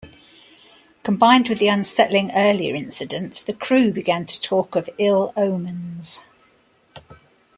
Combined with the unsettling earlier incident, the crew began to talk of ill-omens.